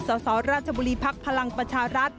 สสราชบุรีภักดิ์พลังประชารัฐ